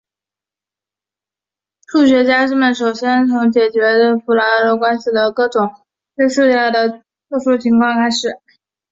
数学家们首先从解决普拉托问题的各种约束下的特殊情况开始。